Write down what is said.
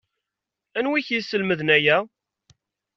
Anwi i k-yeslemden aya